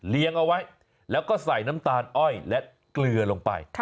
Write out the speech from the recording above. เอาไว้แล้วก็ใส่น้ำตาลอ้อยและเกลือลงไป